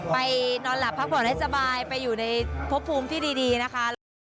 ไปนอนหลับพักผ่อนให้สบายไปอยู่ในพบภูมิที่ดีนะคะ